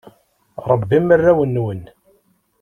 Rebbim arraw-nwen.